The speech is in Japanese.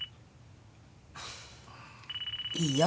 いいよ。